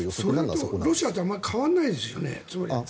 それってロシアとあまり変わらないですよね。